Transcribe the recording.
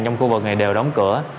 trong khu vực này đều đóng cửa